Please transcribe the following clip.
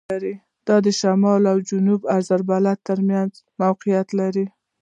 دا په شمالي او جنوبي عرض البلد تر منځ موقعیت لري.